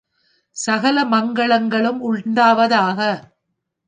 சகல மங்களங்களும் உண்டாவதாக!